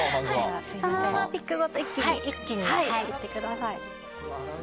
そのままピックを持って一気にいってください。